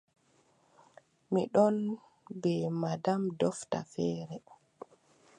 Mi ɗon bee madame dofta feere.